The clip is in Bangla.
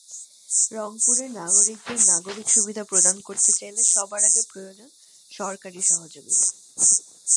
রংপুরের নাগরিকদের নাগরিক সুবিধা প্রদান করতে চাইলে সবার আগে প্রয়োজন সরকারি সহযোগিতা।